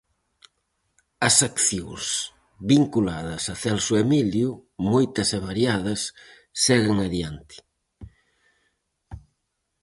As accións vinculadas a Celso Emilio, moitas e variadas, seguen adiante.